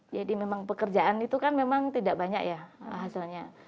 jadi memang pekerjaan itu kan memang tidak banyak ya hasilnya